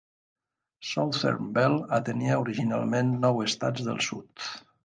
Southern Bell atenia originalment nou estats del sud.